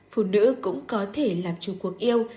phụ nữ cũng có thể làm chủ cuộc yêu